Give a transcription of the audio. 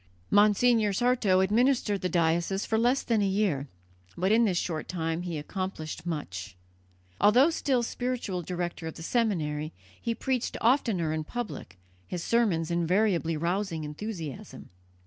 Monsignor Sarto administered the diocese for less than a year, but in this short time he accomplished much. Although still spiritual director of the seminary, he preached oftener in public, his sermons invariably rousing enthusiasm.